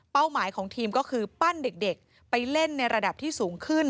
หมายของทีมก็คือปั้นเด็กไปเล่นในระดับที่สูงขึ้น